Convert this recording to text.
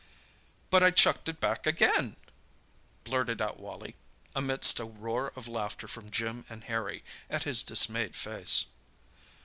"But I chucked it back again!" blurted out Wally, amidst a roar of laughter from Jim and Harry at his dismayed face.